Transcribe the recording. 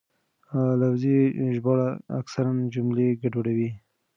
لفظي ژباړه اکثراً جملې ګډوډوي.